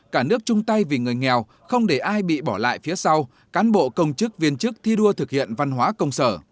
cả nước chung tay vì người nghèo không để ai bị bỏ lại phía sau cán bộ công chức viên chức thi đua thực hiện văn hóa công sở